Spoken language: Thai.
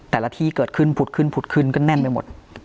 แต่ละที่เกิดขึ้นเพราะเกิดผุดแน่นไปหมด